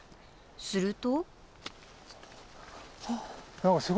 すると。